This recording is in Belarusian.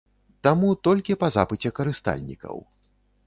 Таму толькі па запыце карыстальнікаў.